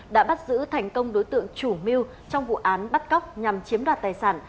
đã bắt giữ thành công đối tượng chủ mưu trong vụ án bắt cóc nhằm chiếm đoạt tài sản